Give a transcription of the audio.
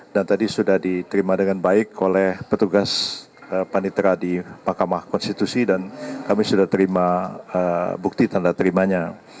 dan tadi sudah diterima dengan baik oleh petugas panitera di mahkamah konstitusi dan kami sudah terima bukti tanda terimanya